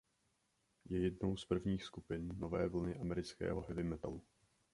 Je jednou z prvních skupin Nové vlny amerického heavy metalu.